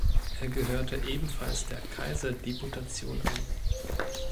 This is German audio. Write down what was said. Er gehörte ebenfalls der Kaiserdeputation an.